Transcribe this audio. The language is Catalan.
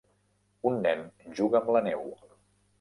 Un nen juga amb la neu.